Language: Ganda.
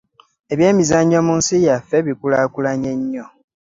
Eby'emizannyo mu nsi yaffe bikulaakulanye nnyo.